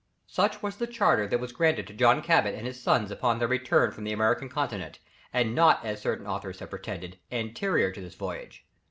Such was the charter that was granted to John Cabot and his sons upon their return from the American continent, and not as certain authors have pretended, anterior to this voyage.